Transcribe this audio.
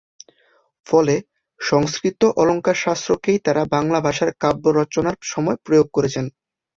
ফলে সংস্কৃত অলঙ্কারশাস্ত্রকেই তাঁরা বাংলা ভাষায় কাব্য রচনার সময় প্রয়োগ করেছেন।